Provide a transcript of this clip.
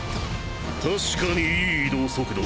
確かに良い移動速度。